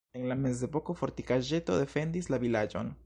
En la mezepoko fortikaĵeto defendis la vilaĝon.